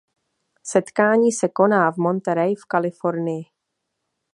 Setkání se koná v Monterey v Kalifornii.